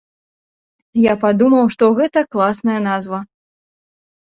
Я падумаў, што гэта класная назва.